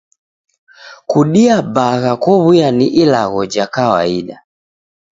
Kudia bagha kowuya ni ilagho ja kawaida.